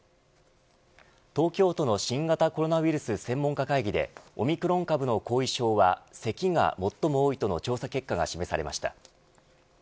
東京都の新型コロナウイルス専門家会議でオミクロン株の後遺症はせきが最も多いとの調査結果が示されました。